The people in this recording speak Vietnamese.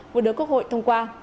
vừa đưa quốc hội thông qua